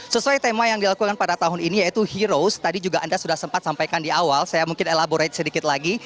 sesuai tema yang dilakukan pada tahun ini yaitu heroes tadi juga anda sudah sempat sampaikan di awal saya mungkin elaborate sedikit lagi